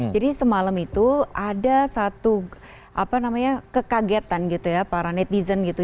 jadi semalam itu ada satu kekagetan gitu ya para netizen gitu